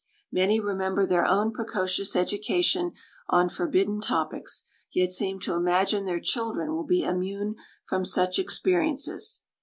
Many remember their own precocious education on forbidden topics, yet seem to imagine their children will be immune from such experiences.